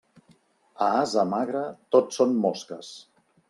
A ase magre, tot són mosques.